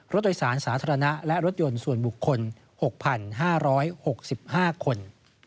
รถโดยสารสาธารณะและรถยนต์ส่วนบุคคล๖๕๖๕คน